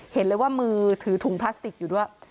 เห็นเลยว่ามือถือถุงพลาสติกอยู่ด้วย